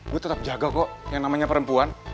gue tetap jaga kok yang namanya perempuan